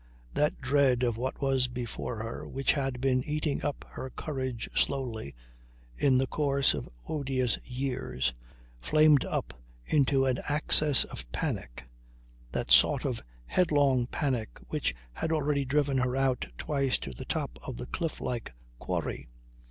That dread of what was before her which had been eating up her courage slowly in the course of odious years, flamed up into an access of panic, that sort of headlong panic which had already driven her out twice to the top of the cliff like quarry.